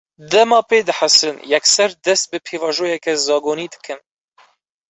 Dema pê dihesin, yekser dest bi pêvajoyeke zagonî dikin